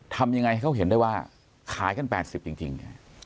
ทำยังไงให้เขาเห็นได้ว่าขายกัน๘๐จริง